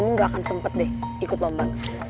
gue gak akan sempet deh ikut lomba